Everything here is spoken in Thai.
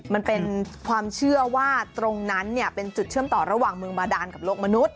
มันเป็นความเชื่อว่าตรงนั้นเป็นจุดเชื่อมต่อระหว่างเมืองบาดานกับโลกมนุษย